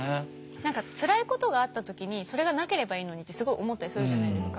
何かつらいことがあった時にそれがなければいいのにってすごい思ったりするじゃないですか。